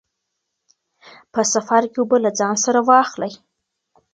په سفر کې اوبه له ځان سره واخلئ.